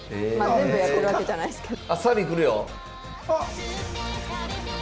全部やってるわけじゃないっすけど。